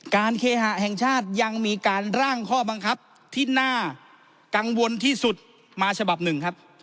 เคหะแห่งชาติยังมีการร่างข้อบังคับที่น่ากังวลที่สุดมาฉบับหนึ่งครับ